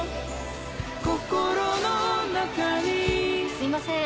すいません。